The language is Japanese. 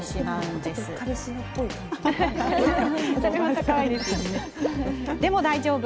でも、大丈夫。